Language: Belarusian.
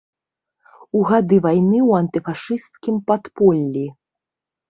У гады вайны ў антыфашысцкім падполлі.